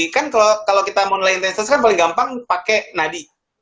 kan kalau kita mau nilai intensitas kan paling gampang pakai nadi